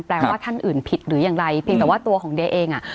ว่าท่านอื่นผิดหรืออย่างไรเพียงแต่ว่าตัวของเดียเองอ่ะ